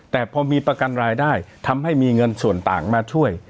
แต่พอมีประกันรายได้ทำให้มีเงินส่วนต่างมาช่วย